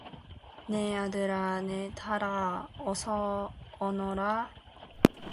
내 아들아 내 딸아 어서 오너라.